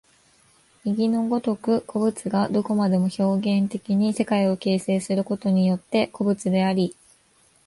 右の如く個物がどこまでも表現的に世界を形成することによって個物であり、